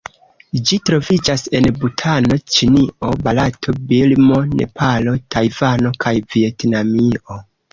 Ĝi troviĝas en Butano, Ĉinio, Barato, Birmo, Nepalo, Tajvano kaj Vjetnamio.